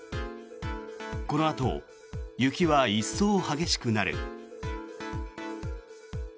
このあと、雪は一層激しくなる。